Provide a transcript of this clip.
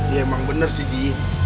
ya emang bener sih di